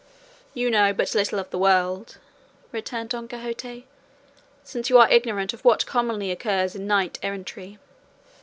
"You know but little of the world," returned Don Quixote, "since you are ignorant of what commonly occurs in knight errantry."